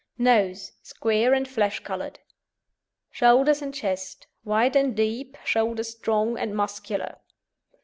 NOSE Square and flesh coloured. SHOULDERS AND CHEST Wide and deep; shoulders strong and muscular.